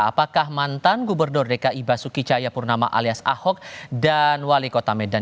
apakah mantan gubernur dki basuki cayapurnama alias ahok dan wali kota medan